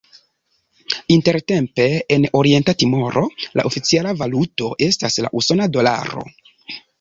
Intertempe en Orienta Timoro la oficiala valuto estas la usona dolaro.